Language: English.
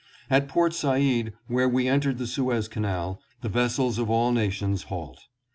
At Port Said, where we entered the Suez Canal, the vessels of all nations halt.